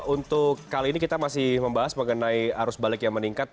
untuk kali ini kita masih membahas mengenai arus balik yang meningkat